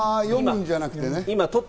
読むんじゃなくて。